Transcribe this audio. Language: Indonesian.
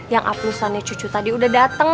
yang ablustannya cucu tadi udah dateng